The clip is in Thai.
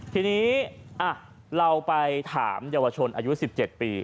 ทีนี้เราไปถามเยาวชนอายุ๑๗ปี